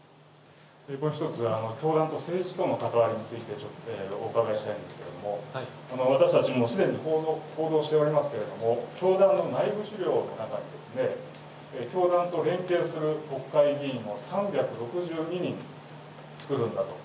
一つ、教団と政治との関わりについて、ちょっとお伺いしたいんですけれども、私たちもうすでに、報道しておりますけれども、教団の内部資料の中にですね、教団と連携する国会議員を３６２人作るんだと。